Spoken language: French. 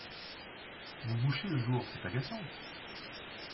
Vous bouchez le jour, c’est agaçant!...